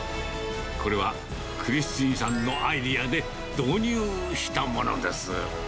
これはクリスティンさんのアイデアで、導入したものです。